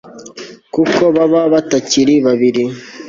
kuko baba batakiri babiri